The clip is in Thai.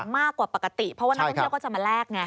มากกว่าปกติเพราะว่านักธุรกิจก็จะมาแรก